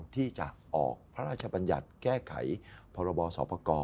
ที่จะออกพระราชบัญญัติแก้ไขพรบสปกร